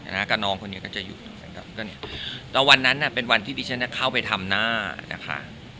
อ่ากับน้องคนนี้ก็จะอยู่แล้ววันนั้นน่ะเป็นวันที่ดิฉันเนี้ยเข้าไปทำหน้านะคะ